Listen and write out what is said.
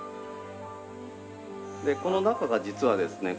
でこの中が実はですね